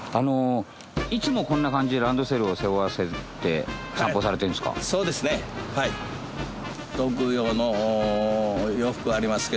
いつもこんな感じでランドセルを背負わせて散歩されてるんですか？